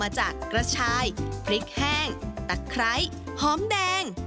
จากกระชายพริกแห้งตะไคร้หอมแดง